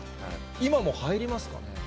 今も入りますかね？